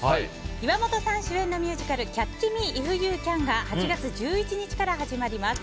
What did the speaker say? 岩本さん主演のミュージカル「キャッチ・ミー・イフ・ユーキャン」が８月１１日から始まります。